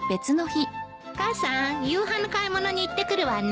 母さん夕飯の買い物に行ってくるわね。